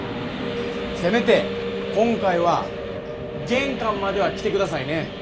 せめて今回は玄関までは来てくださいね。